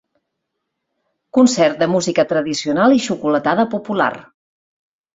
Concert de música tradicional i xocolatada popular.